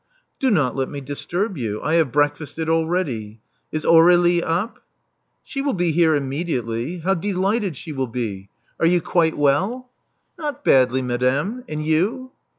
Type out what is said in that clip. Do not let me disturb you. I have breakfasted already. Is Aur^lie up?" She will be here immediately. How delighted she will be! Are you quite well?" •*Not badly, madame. And you?"